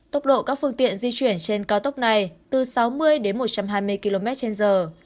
tốc độ các phương tiện di chuyển trên cao tốc này từ sáu mươi đến một trăm hai mươi km trên giờ